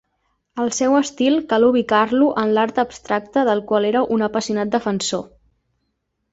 El seu estil cal ubicar-lo en l'art abstracte del qual era un apassionat defensor.